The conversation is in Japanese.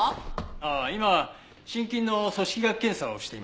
ああ今心筋の組織学検査をしています。